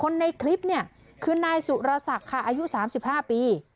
ในคลิปเนี่ยคือนายสุรศักดิ์ค่ะอายุ๓๕ปี